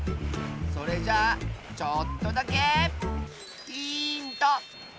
それじゃあちょっとだけヒント！